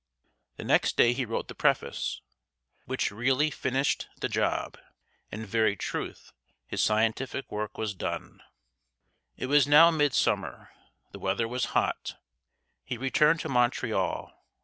The next day he wrote the preface, "which really finished the job." In very truth his scientific work was done. It was now midsummer. The weather was hot. He returned to Montreal.